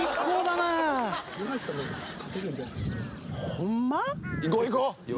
ホンマ？